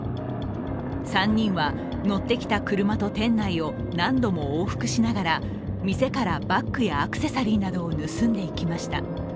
３人は乗ってきた車と店内を何度も往復しながら店からバッグやアクセサリーなどを盗んでいきました。